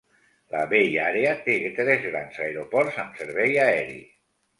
La Bay Area té tres grans aeroports amb servei aeri.